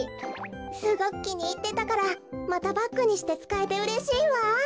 すごくきにいってたからまたバッグにしてつかえてうれしいわ！